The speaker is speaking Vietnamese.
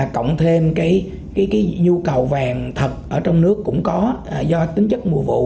cộng thêm cái nhu cầu vàng thật ở trong nước cũng có do tính chất mùa vụ